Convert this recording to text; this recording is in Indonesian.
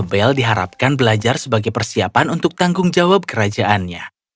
bel diharapkan belajar sebagai persiapan untuk tanggung jawab kerajaannya